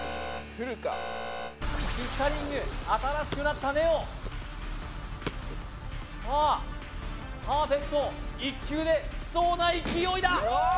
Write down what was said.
ピッタリング新しくなったｎｅｏさあパーフェクト１球できそうな勢いだ